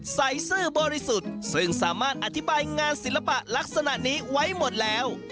ซื่อบริสุทธิ์ซึ่งสามารถอธิบายงานศิลปะลักษณะนี้ไว้หมดแล้ว